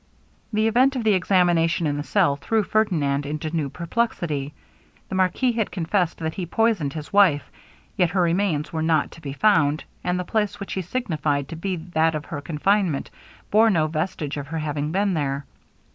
The event of the examination in the cell threw Ferdinand into new perplexity. The marquis had confessed that he poisoned his wife yet her remains were not to be found; and the place which he signified to be that of her confinement, bore no vestige of her having been there.